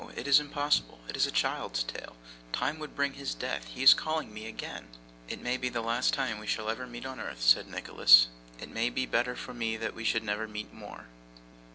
It is impossible; it is a child's tale. Time would bring his death. He is calling again!' 'It may be the last time we shall ever meet on earth,' said Nicholas, 'it may be better for me that we should never meet more.